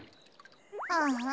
ああ。